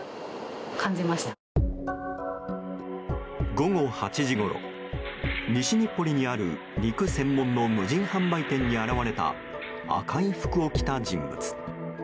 午後８時ごろ、西日暮里にある肉専門の無人販売店に現れた赤い服を着た人物。